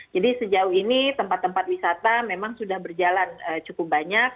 jadi sejauh ini tempat tempat wisata memang sudah berjalan cukup banyak